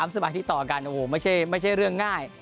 สมาชิกต่อการโหไม่ใช่เรื่องง่าย